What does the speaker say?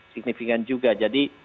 signifikan juga jadi